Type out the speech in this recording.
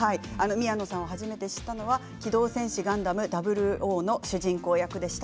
宮野さんを初めて知ったのは「機動戦士ガンダム００」の主人公役でした